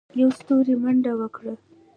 يوه ستوري منډه وکړه.